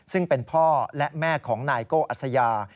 ซึ่งเป็นพ่อและแม่ของนายโก้อัสยา